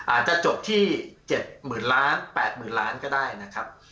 อาจจะจบที่๗หมื่นล้าน๘หมื่นล้านก็ได้นะครับ